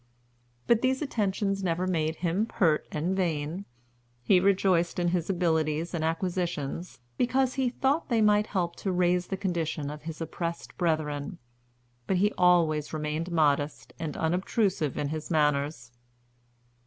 But these attentions never made him pert and vain. He rejoiced in his abilities and acquisitions, because he thought they might help to raise the condition of his oppressed brethren; but he always remained modest and unobtrusive in his manners.